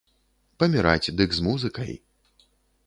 Паміраць дык з музыкай!